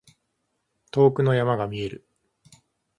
遠くの山が見える。